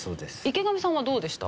池上さんはどうでした？